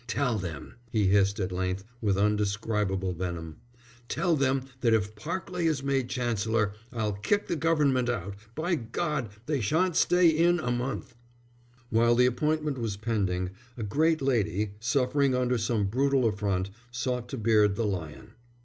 "Tell them," he hissed at length, with undescribable venom, "Tell them that if Parkleigh is made Chancellor, I'll kick the Government out. By God, they shan't stay in a month!" While the appointment was pending, a great lady, suffering under some brutal affront, sought to beard the lion.